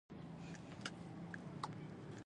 د دې ځای او ژړا ترمنځ یو دیوال دی.